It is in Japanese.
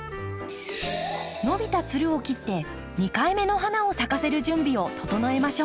伸びたつるを切って２回目の花を咲かせる準備を整えましょう。